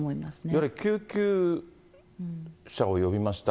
いわゆる救急車を呼びました。